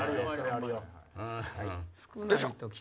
よいしょ！